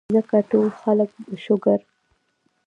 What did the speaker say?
ځکه ټول خلک د شوګر ،